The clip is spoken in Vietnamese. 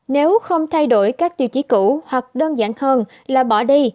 nếu không thay đổi các tiêu chí cũ hoặc đơn giản hơn là bỏ đi